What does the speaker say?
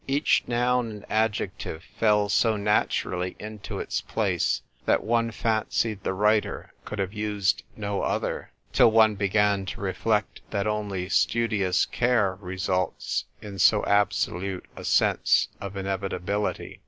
Each noun and adjective fell so naturally into its place that one fancied the writer could have used no other— till one began to reflect that only studious care results in so absolute a sense of inevitability.